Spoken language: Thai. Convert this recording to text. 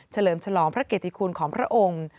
เลิมฉลองพระเกติคุณของพระองค์